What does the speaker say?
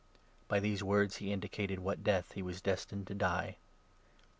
By these words he indicated what death he was destined to die.